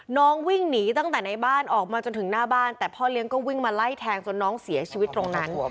น้องวิ่งหนีตั้งแต่ในบ้านออกมาจนถึงหน้าบ้านแต่พ่อเลี้ยงก็วิ่งมาไล่แทงจนน้องเสียชีวิตตรงนั้น